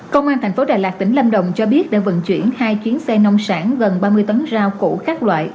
công an tp đà lạt tỉnh lâm đồng cho biết đã vận chuyển hai chuyến xe nông sản gần ba mươi tấn rau củ khác loại